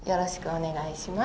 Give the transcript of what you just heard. お願いします。